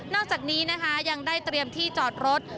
อกจากนี้นะคะยังได้เตรียมที่จอดรถ